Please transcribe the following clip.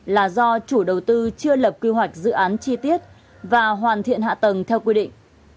là do chủ đầu tư chưa lập quy hoạch dự án chi tiết và hoàn thiện hạ tầng theo quy định